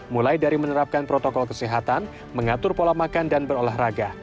mulai dari menerapkan protokol kesehatan mengatur pola makan dan berolahraga